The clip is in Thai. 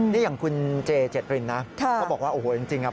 นี่อย่างคุณเจเจตรินนะเขาบอกว่าโอ้โหจริงครับ